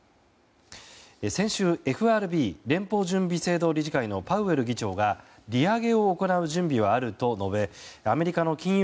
先週ＦＲＢ・連邦準備制度理事会のパウエル議長が利上げを行う準備はあると述べアメリカの金融